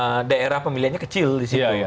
karena daerah pemilihannya kecil disitu